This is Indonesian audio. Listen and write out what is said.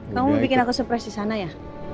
kamu bikin aku surprise di sana ya